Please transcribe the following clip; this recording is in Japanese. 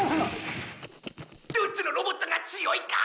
「どっちのロボットが強いか」